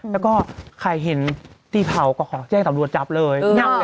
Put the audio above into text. แล้วก็ใครเห็นตีเผาก็ขอแจ้งตำรวจจับเลย